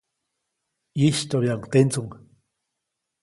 ʼYistyoʼbyaʼuŋ tendsuŋ.